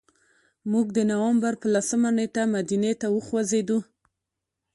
موږ د نوامبر په لسمه نېټه مدینې ته وخوځېدو.